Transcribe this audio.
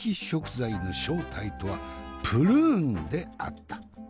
食材の正体とはプルーンであった。